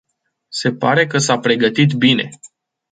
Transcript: Se pare că s-a pregătit bine.